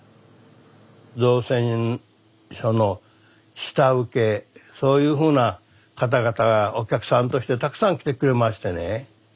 造船所の下請けそういうふうな方々がお客さんとしてたくさん来てくれましてね。